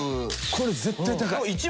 これ絶対高い。